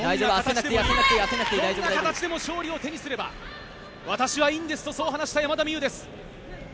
どんな形でも勝利を手にすれば私はいいんですとそう話した山田美諭です。